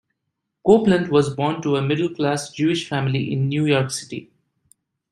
Copeland was born to a middle-class Jewish family in New York City.